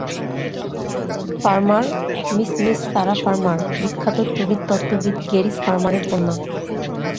Farmer, miss miss Sarah Farmer বিখ্যাত তরিৎতত্ত্ববিদ Gerrish ফার্মারের কন্যা।